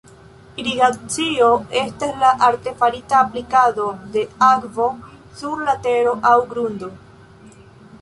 Irigacio estas la artefarita aplikado de akvo sur la tero aŭ grundo.